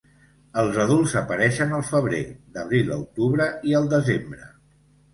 Els adults apareixen al febrer, d'abril a octubre i al desembre.